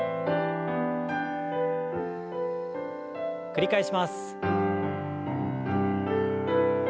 繰り返します。